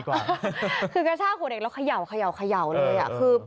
คือกระชากหัวเด็กเพราะเราขยัวเลย